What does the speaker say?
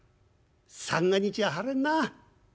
三が日は晴れるな。